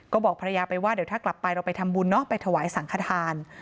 ก็บอกภรรยาไปว่าเดี๋ยวถ้ากลับไปเราไปทำบุญเนาะไปถวายสังขทาน